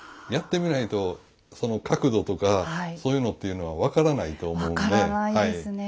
やってみないと角度とかそういうのっていうのは分からないと思います。